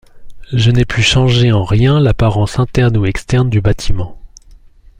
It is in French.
Je n'ai pu changer en rien l'apparence interne ou externe du bâtiment...